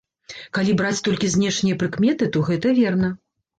Калі браць толькі знешнія прыкметы, то гэта верна.